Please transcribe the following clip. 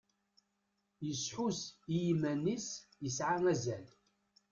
Yesḥus i yiman-is yesɛa azal.